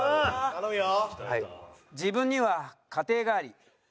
頼むよ！